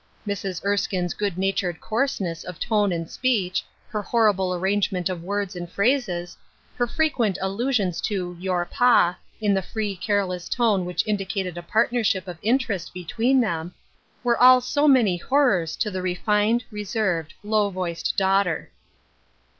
Mrs. Erskine's good natured Seeking Help, 73 coarseness of tone and speech, her horrible arrangement of words and phrases, her frequent allusions to " your pa," in the free, careless tone which indicated a partnership of interest between them, were all so many horrors to the refined, reserved, low voiced daughter.